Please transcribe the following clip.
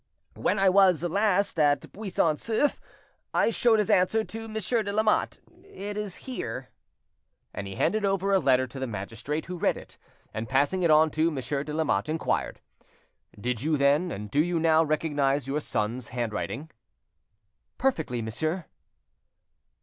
When I was last at Buisson Souef, I showed his answer to Monsieur de Lamotte; it is here." And he handed over a letter to the magistrate, who read it, and passing it on to Monsieur de Lamotte, inquired— "Did you then, and do you now, recognise your son's handwriting?" "Perfectly, monsieur."